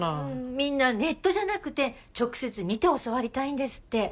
みんなネットじゃなくて直接見て教わりたいんですって。